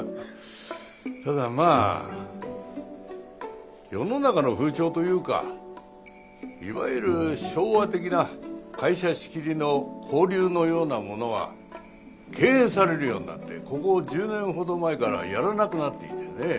ただまあ世の中の風潮というかいわゆる昭和的な会社仕切りの交流のようなものは敬遠されるようになってここ１０年ほど前からやらなくなっていてね。